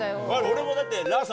俺もだって。